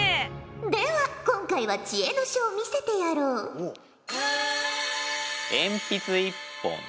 では今回は知恵の書を見せてやろう。え！